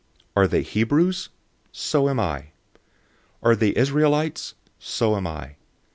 011:022 Are they Hebrews? So am I. Are they Israelites? So am I.